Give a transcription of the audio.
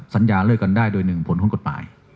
สัญญาเลิกกันได้โดยหนึ่งผลคล้นกฎหมาย